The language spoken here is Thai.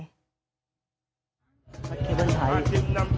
คืออะไรอ่ะ